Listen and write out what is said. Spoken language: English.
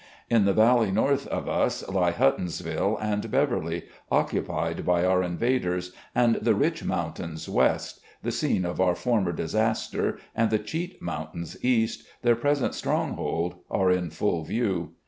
In the valley north of us lie Huttonsville and Beverly, occupied by our invaders, and the Rich Mountains west, the scene of our former disaster, and the Cheat Mountains east, their present stronghold, are in full view.